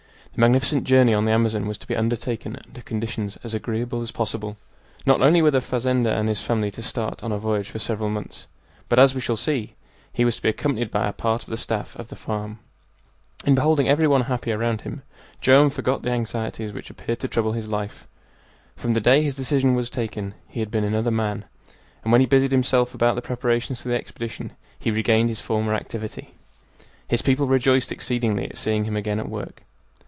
The magnificent journey on the Amazon was to be undertaken under conditions as agreeable as possible. Not only were the fazender and his family to start on a voyage for several months, but, as we shall see, he was to be accompanied by a part of the staff of the farm. In beholding every one happy around him, Joam forgot the anxieties which appeared to trouble his life. From the day his decision was taken he had been another man, and when he busied himself about the preparations for the expedition he regained his former activity. His people rejoiced exceedingly at seeing him again at work.